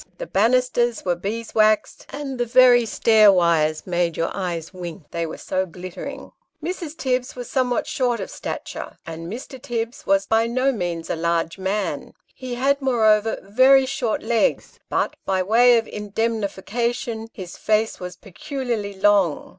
The banisters were bees' waxed ; and the very stair wires made your eyes wink, they were so glittering. Mrs. Tibbs was somewhat short of stature, and Mr. Tibbs was by no means a large man. He had, moreover, very short legs, but, by way of indemnification, his face was peculiarly long.